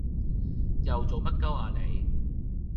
又做乜鳩呀你？